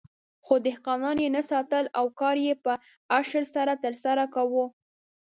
خو دهقانان یې نه ساتل او کار یې په اشر سره ترسره کاوه.